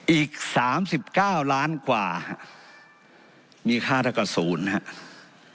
อีก๓๙ล้านกว่ามีค่าเท่ากับศูนย์นะครับ